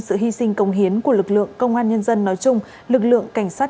sự hy sinh công hiến của lực lượng công an nhân dân nói chung lực lượng cảnh sát